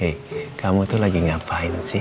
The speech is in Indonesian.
eh kamu tuh lagi ngapain sih